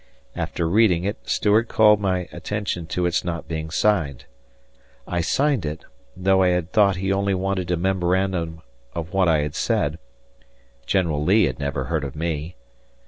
After reading it, Stuart called my attention to its not being signed. I signed it, although I had thought he only wanted a memorandum of what I had said General Lee had never heard of me.